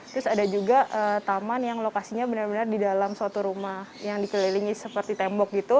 terus ada juga taman yang lokasinya benar benar di dalam suatu rumah yang dikelilingi seperti tembok gitu